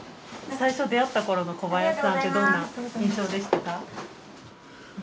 最初出会った頃の小林さんってどんな印象でしたか？